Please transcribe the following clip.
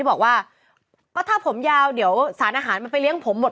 บอกว่าก็ถ้าผมยาวเดี๋ยวสารอาหารมันไปเลี้ยงผมหมด